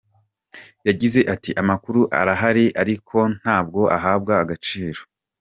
Yagize ati “Amakuru arahari ariko ntabwo ahabwa agaciro.